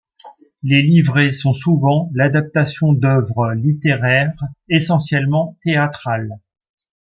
Les livrets sont souvent l'adaptation d'œuvres littéraires, essentiellement théâtrales.